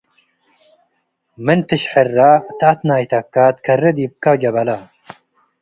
ምን ትሽሕረ ተአትናይተካ - ትከሬ ዲብከ ጀበላ